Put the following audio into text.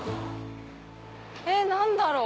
えっ何だろう？